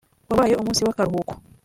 wabaye umusi w’akaruhuko